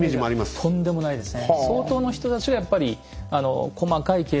とんでもないですね。